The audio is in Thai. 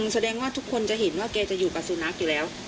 แสดงว่าทุกคนจะเห็นว่าแกจะอยู่กับสุนัขอยู่แล้ว